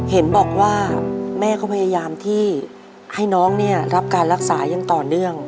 เห็นบอกว่าแม่ก็พยายามที่ให้น้องเนี่ยรับการรักษาอย่างต่อเนื่อง